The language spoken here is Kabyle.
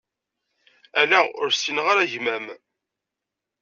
Ala, ur ssineɣ ara gma-m.